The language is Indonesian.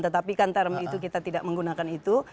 tetapi kantar itu kita tidak menggunakan itu